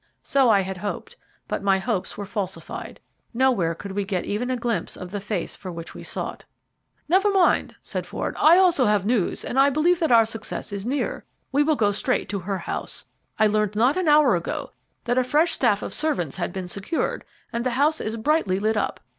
So I had hoped, but my hopes were falsified. Nowhere could we get even a glimpse of the face for which we sought. "Never mind," said Ford, "I also have news, and I believe that our success is near. We will go straight to her house. I learned not an hour ago that a fresh staff of servants had been secured, and the house is brightly lit up.